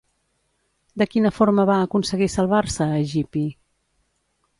De quina forma va aconseguir salvar-se Egipi?